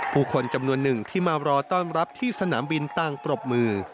ผู้คนจำนวนหนึ่งที่มารอต้อนรับที่สนามบินต่างปรบมือ